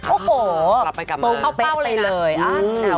โอ้โหตรงเข้าเป้าเลย